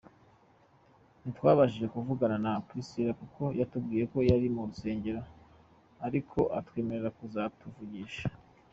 Ntitwabashije kuvugana na Priscilla kuko yatubwiye ko yari mu rusengero, ariko atwemerera kuzatuvugisha.